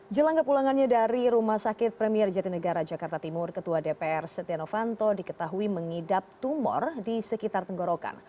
jelang ke pulangannya dari rumah sakit premier jatinegara jakarta timur ketua dpr setianowanto diketahui mengidap tumor di sekitar tenggorokan